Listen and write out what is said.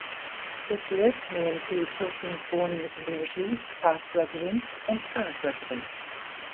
This list may include persons born in the community, past residents, and current residents.